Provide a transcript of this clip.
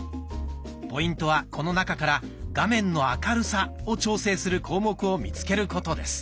ポイントはこの中から「画面の明るさ」を調整する項目を見つけることです。